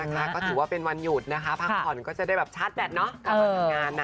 ก็ถือว่าเป็นวันหยุดนะคะพักผ่อนก็จะได้แบบชาร์จแบตเนาะกลับมาทำงานนะ